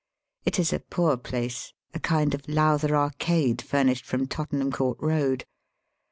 It is a poor place, a kind of Lowther Arcade furnished from Tottenham Court Eoad.